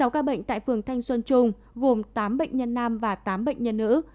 sáu ca bệnh tại phường thanh xuân trung gồm tám bệnh nhân nam và tám bệnh nhân nữ